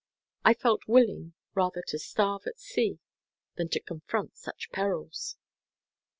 I felt willing rather to starve at sea than to confront such perils.